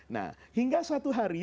nah hingga suatu hari